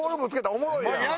おもろいやん。